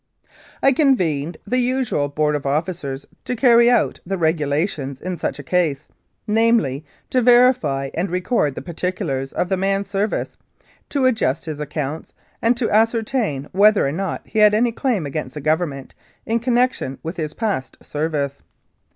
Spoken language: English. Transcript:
I convened the usual Board of Officers to carry out the regulations in such a case, namely, to verify and record the particulars of the man's service, to adjust his accounts, and to ascertain whether or not he had any claim against the Government in connection with his past service.